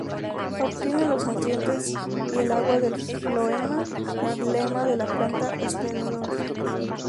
Obtienen los nutrientes y el agua del floema y xilema de la planta hospedadora.